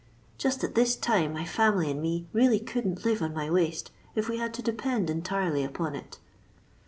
Just at this tune my fiimily and me really couldn't live on my wasta if we hod to depend entirely upon it."